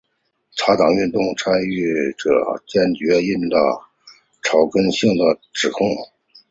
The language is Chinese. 茶党运动的参与者坚决否认了伪草根性的指控。